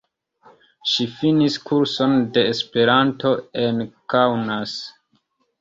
Ŝi finis kurson de Esperanto en Kaunas.